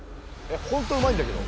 ほんとうまいんだけど。